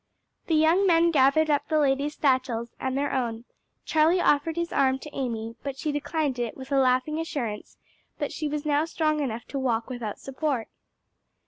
The young men gathered up the ladies' satchels and their own. Charlie offered his arm to Amy, but she declined it with a laughing assurance that she was now strong enough to walk without support.